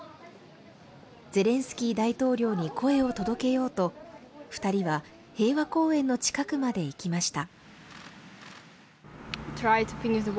ゼレンスキー大統領に声を届けようと、２人は平和公園の近くまで行きました。